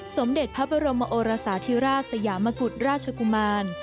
สมเด็จพระบรมโอรสาธิราชสยามกุฎราชกุมาร